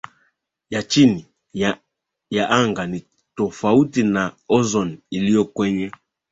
ya chini ya anga ni tofauti na ozoni iliyo kwenye